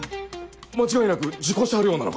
間違いなく事故車両なのか？